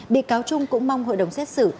bị cáo trung cũng mong hội đồng xét xử